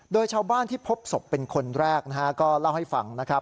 โดยชาวบ้านที่พบศพเป็นคนแรกนะฮะก็เล่าให้ฟังนะครับ